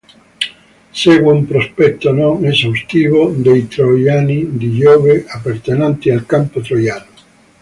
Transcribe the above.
Segue un prospetto non esaustivo dei troiani di Giove appartenenti al campo troiano.